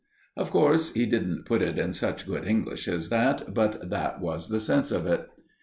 Of course, he didn't put it in such good English as that, but that was the sense of it.